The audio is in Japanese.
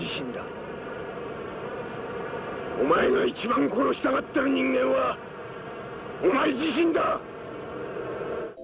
お前が一番殺したがってる人間はお前自身だ！